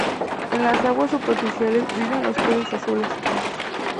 En las aguas superficiales viven los peces azules.